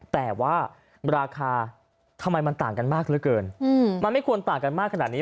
แต่ว่าราคาทำไมมันต่างกันมากเหลือเกินมันไม่ควรต่างกันมากขนาดนี้